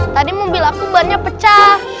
tadi mobil aku bannya pecah